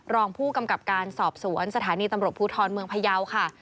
รองผู้กำกับการสอบสวนสถานีตำรวจภูทรเมืองพยาวค่ะ